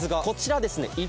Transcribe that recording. こちらですね